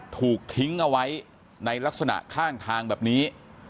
ถูกทิ้งเอาไว้ในลักษณะข้างทางแบบนี้